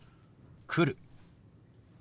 「来る」。